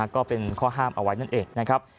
ก็เป็นข้อห้ามเอาไว้นั่นเองนะครับ